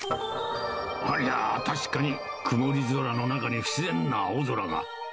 ありゃー、確かに曇り空の中に不自然な青空が。